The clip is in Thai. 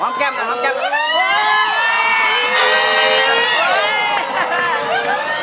หอมแก้มหอมแก้ม